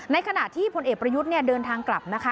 ขณะที่พลเอกประยุทธ์เนี่ยเดินทางกลับนะคะ